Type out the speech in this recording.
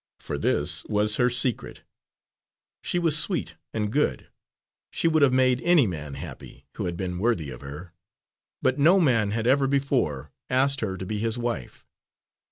For this was her secret: she was sweet and good; she would have made any man happy, who had been worthy of her, but no man had ever before asked her to be his wife.